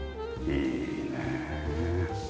いいねえ。